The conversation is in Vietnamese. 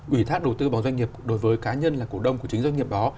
ủy thác đầu tư vào doanh nghiệp đối với cá nhân là cổ đông của chính doanh nghiệp đó